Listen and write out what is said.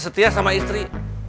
setia sama istri